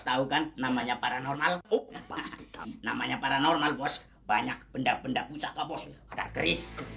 tahu kan namanya paranormal namanya paranormal bos banyak benda benda pusaka bos ada keris